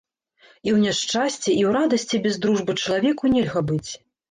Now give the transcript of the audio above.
І ў няшчасці, і ў радасці без дружбы чалавеку нельга быць.